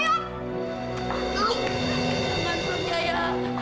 jangan om jaya